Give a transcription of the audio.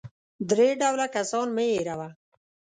درې ډوله کسان مه هېروه .